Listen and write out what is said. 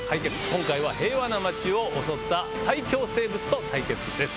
今回は平和な街を襲った最強生物と対決です。